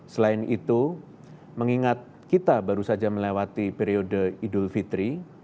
selain itu mengingat kita baru saja melewati periode idul fitri